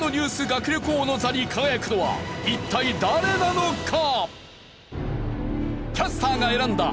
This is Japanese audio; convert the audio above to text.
学力王の座に輝くのは一体誰なのか？